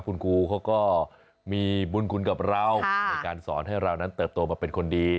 คุณครูเขาก็มีบุญคุณกับเราในการสอนให้เรานั้นเติบโตมาเป็นคนดี